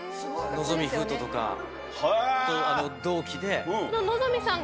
望海風斗とか同期で。